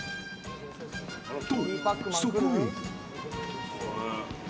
と、そこへ。